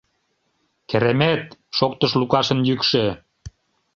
— Керемет! — шоктыш Лукашын йӱкшӧ.